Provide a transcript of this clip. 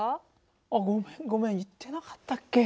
あっごめんごめん言ってなかったっけ？